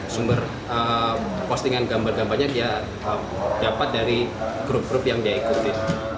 sumber postingan gambar gambarnya dia dapat dari grup grup yang dia ikuti